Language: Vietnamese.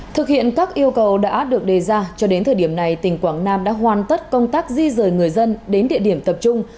thực hiện các yêu cầu đã được đề ra cho đến thời điểm này tỉnh quảng nam đã hoàn tất công tác di rời người dân đến địa điểm tập trung